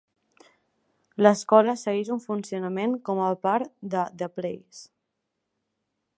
L'escola segueix en funcionament com a part de "The Place".